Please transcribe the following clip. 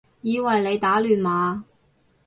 以為你打亂碼